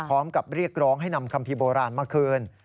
พร้อมกับเรียกร้องให้นำคัมภีร์โบราณมาคืน